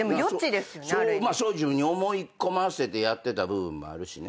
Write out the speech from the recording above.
そう自分に思い込ませてやってた部分もあるしね。